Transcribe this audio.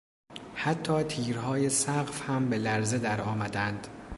حتی تیرهای سقف هم به لرزه درآمدند.